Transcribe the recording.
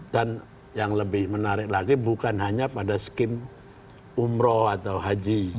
dan yang lebih menarik lagi bukan hanya pada skim umroh atau haji